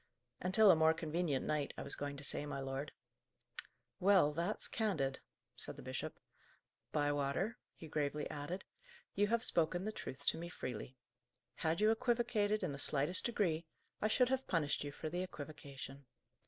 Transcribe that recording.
"Until a more convenient night, I was going to say, my lord." "Well, that's candid," said the bishop. "Bywater," he gravely added, "you have spoken the truth to me freely. Had you equivocated in the slightest degree, I should have punished you for the equivocation.